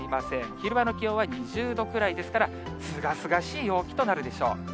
昼間の気温は２０度くらいですから、すがすがしい陽気となるでしょう。